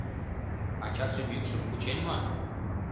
Ачатше мӱкшым кучен мо?